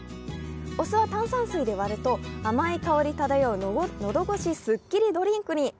お酢は炭酸水で割ると、甘い香り漂う喉越しすっきりドリンクに。